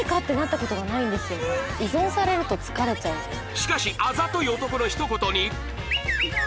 しかしあざとい男のひと言に